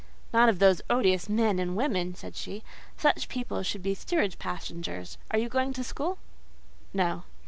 "Not of those odious men and women," said she: "such people should be steerage passengers. Are you going to school?" "No."